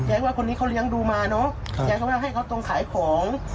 อยากว่าคนนี้เขาเลี้ยงดูมาอยากว่าให้เขาต้องขายของ